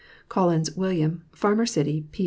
COLL1XS WILLIAM, Farmer City P.